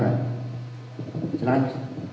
saya iwan dari cnn